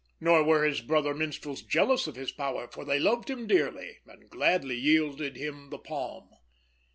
Nor were his brother minstrels jealous of his power, for they loved him dearly, and gladly yielded him the palm.